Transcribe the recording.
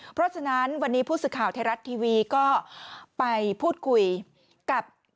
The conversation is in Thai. เพราะฉะนั้นวันนี้ผู้สื่อข่าวไทยรัฐทีวีก็ไปพูดคุยกับ